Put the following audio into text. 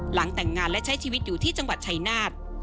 หลังแต่งงานและใช้ชีวิตอยู่ที่จังหวัดชายนาฏ